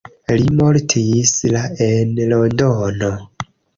Li mortis la en Londono.